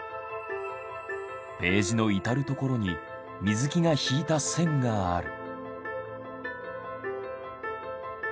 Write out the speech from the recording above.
ページの至る所に水木が引いた線がある。